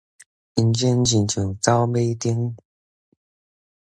人生親像走馬燈